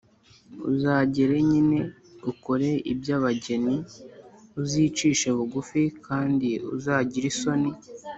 uzagere nyine, ukore iby’abageni, uzicishe bugufi, kandi uzagire isoni,